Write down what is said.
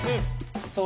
そう！